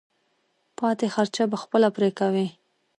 پاتې خرچه به خپله پرې کوې.